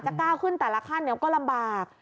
ก้าวขึ้นแต่ละขั้นก็ลำบาก